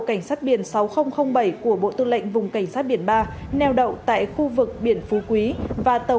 cảnh sát biển sáu nghìn bảy của bộ tư lệnh vùng cảnh sát biển ba neo đậu tại khu vực biển phú quý và tàu